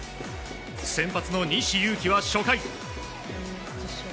先発の西勇輝は、初回。